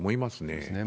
そうですね。